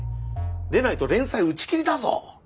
でないと連載打ち切りだぞ！